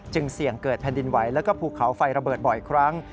เสี่ยงเกิดแผ่นดินไหวแล้วก็ภูเขาไฟระเบิดบ่อยครั้ง